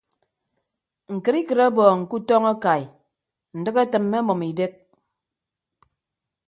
Ñkịtikịt ọbọọñ ke utọñ akai ndịk etịmme ọmʌm idek.